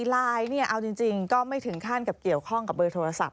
ไลน์เนี่ยเอาจริงก็ไม่ถึงขั้นกับเกี่ยวข้องกับเบอร์โทรศัพท์